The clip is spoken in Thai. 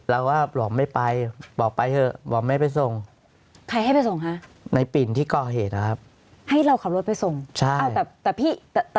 อาทิบกส่งของคือเขายังไงคะ